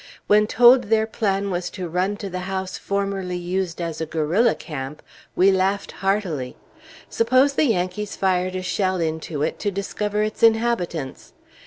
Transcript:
When told their plan was to run to the house formerly used as a guerrilla camp, we laughed heartily. Suppose the Yankees fired a shell into it to discover its inhabitants?